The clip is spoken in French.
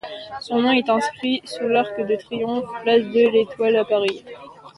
Son nom est inscrit sous l'Arc de Triomphe, place de l'Étoile, à Paris.